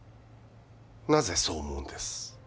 なぜそう思うんです？